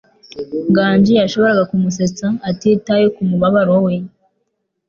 Nganji yashoboraga kumusetsa atitaye kumubabaro we.